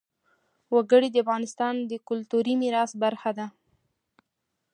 وګړي د افغانستان د کلتوري میراث برخه ده.